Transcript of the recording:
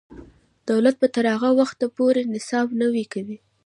دولت به تر هغه وخته پورې نصاب نوی کوي.